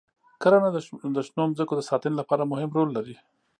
کرنه د شنو ځمکو د ساتنې لپاره مهم رول لري.